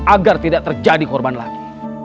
agar tidak terjadi korban lagi